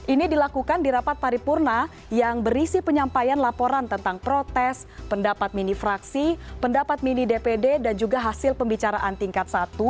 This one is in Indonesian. ini dilakukan di rapat paripurna yang berisi penyampaian laporan tentang protes pendapat mini fraksi pendapat mini dpd dan juga hasil pembicaraan tingkat satu